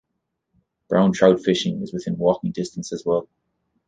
Brown trout fishing is within walking distance as well.